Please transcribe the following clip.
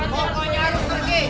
pokoknya harus pergi